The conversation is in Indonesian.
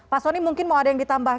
pak soni mungkin mau ada yang ditambah